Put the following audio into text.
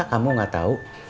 kamu gak tau